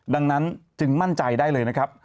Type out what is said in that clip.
ดังนั้นจึงมั่นใจได้เลยนะครับ